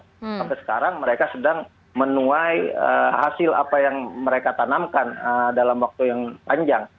sampai sekarang mereka sedang menuai hasil apa yang mereka tanamkan dalam waktu yang panjang